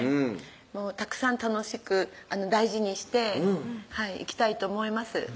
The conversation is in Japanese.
もうたくさん楽しく大事にしていきたいと思います